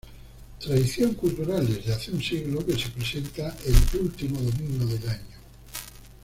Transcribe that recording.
Tradición cultural desde hace un siglo, que se presenta el último domingo del año.